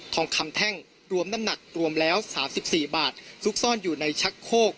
ทองคำแท่งรวมน้ำหนักรวมแล้ว๓๔บาทซุกซ่อนอยู่ในชักโคก